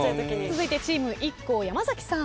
続いてチームＩＫＫＯ山崎さん。